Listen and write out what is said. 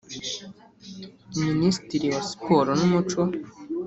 minisitiri wa siporo n’umuco